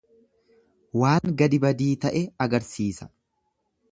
Waan gadi badii ta'e agarsiisa.